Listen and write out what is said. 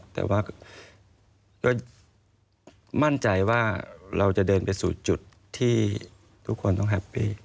แต่ว่าก็มั่นใจว่าเราจะเดินไปสู่จุดที่ทุกคนต้องแฮปปี้